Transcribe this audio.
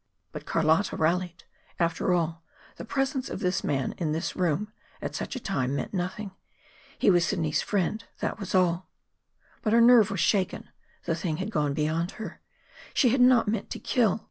But Carlotta rallied. After all, the presence of this man in this room at such a time meant nothing. He was Sidney's friend, that was all. But her nerve was shaken. The thing had gone beyond her. She had not meant to kill.